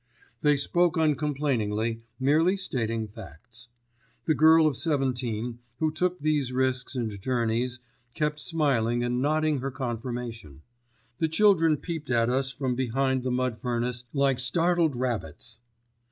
They spoke uncomplainingly, merely stating facts. The girl of seventeen, who took these risks and journeys, kept smiling and nodding her confirmation. The children peeped at us from behind the mud furnace like startled rabbits.